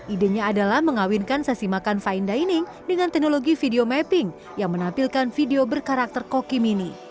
idenya adalah mengawinkan sesi makan fine dining dengan teknologi video mapping yang menampilkan video berkarakter koki mini